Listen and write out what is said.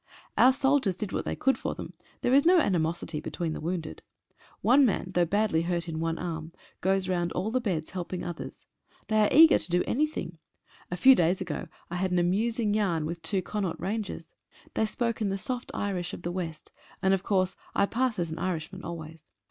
Our soldiers did what they could for them — there is no animostiy between the wounded. One man though badly hurt in one arm, goes round all the beds helping others. They are eager to do anything. A few days ago I had an amusing yarn with two Connaught Rangers. They spoke in the soft Irish of the west and of course I pass as an Irishman always.